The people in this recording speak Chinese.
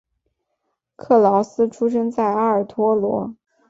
克劳斯出生在埃尔托罗。